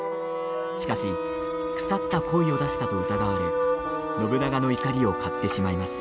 しかし腐ったこいを出したと疑われ信長の怒りを買ってしまいます。